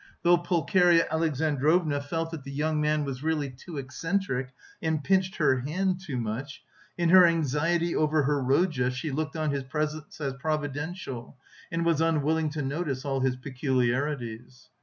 Though Pulcheria Alexandrovna felt that the young man was really too eccentric and pinched her hand too much, in her anxiety over her Rodya she looked on his presence as providential, and was unwilling to notice all his peculiarities.